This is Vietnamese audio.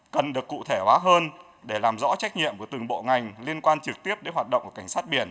cần được cụ thể hóa hơn để làm rõ trách nhiệm của từng bộ ngành liên quan trực tiếp đến hoạt động của cảnh sát biển